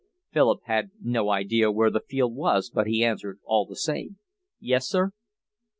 Philip had no idea where the field was, but he answered all the same. "Yes, sir."